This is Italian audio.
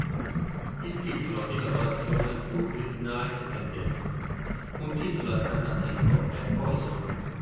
Il titolo di lavorazione fu "Midnight Vendetta", un titolo alternativo è "Poison".